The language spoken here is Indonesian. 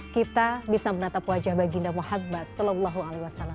kita bisa menatap wajah baginda muhammad saw